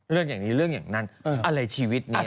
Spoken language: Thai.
เรื่องอย่างนี้เรื่องอย่างนั้นอะไรชีวิตนี้